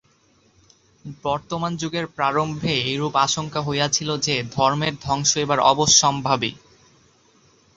বর্তমান যুগের প্রারম্ভে এইরূপ আশঙ্কা হইয়াছিল যে, ধর্মের ধ্বংস এবার অবশ্যম্ভাবী।